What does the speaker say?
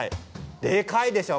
でかいでしょう。